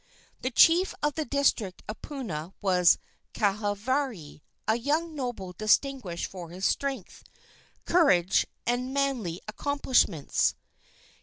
The chief of the district of Puna was Kahavari, a young noble distinguished for his strength, courage and manly accomplishments.